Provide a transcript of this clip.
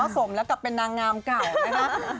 มันแย่สมแล้วกับเป็นนางงามเก่านะครับ